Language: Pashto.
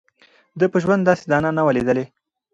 ده په ژوند داسي دانه نه وه لیدلې